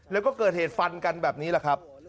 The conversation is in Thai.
แล้วก็เกิดเหตุฟันกันแบบนี้แหละครับ